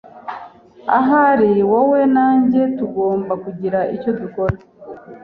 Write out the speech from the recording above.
Ahari wowe na njye tugomba kugira icyo dukora.